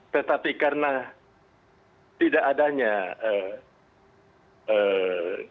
tetapi karena tidak adanya kemudian keputusan